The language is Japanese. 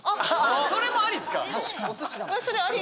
それもありっすか。